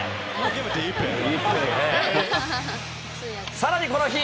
さらにこの日。